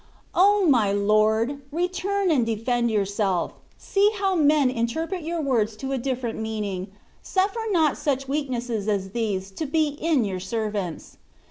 O my Lord! return and defend yourself: see how men interpret your words to a different meaning ; suffer not such weaknesses as these to be in your servants.